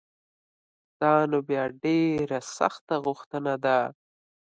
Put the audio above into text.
دا نو بیا ډېره سخته غوښتنه ده